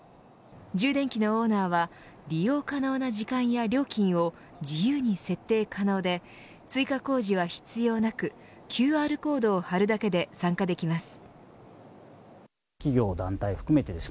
充電器のオーナーは利用可能な時間や料金を自由に設定可能で追加工事は必要なくＱＲコードを貼るだけで参加できます。